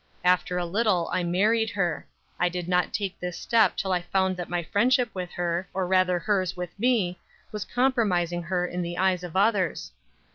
After a little I married her. I did not take this step till I found that my friendship with her, or, rather hers with me, was compromising her in the eyes of others.